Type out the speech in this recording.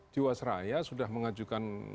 jiwasraya sudah mengajukan